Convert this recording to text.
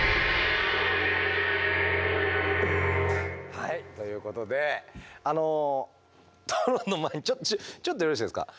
はいということであのちょっとよろしいですか。